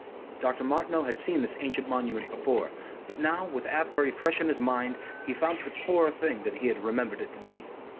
Dr. Martineau had seen this ancient monument before, but now, with Avebury fresh in his mind, he found it a poorer thing than he had remembered it to be.